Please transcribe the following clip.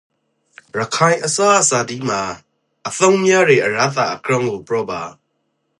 ရခိုင်အစားအစာတိမှာအသုံးများယေအရသာအကြောင်းကိုပြောပါ။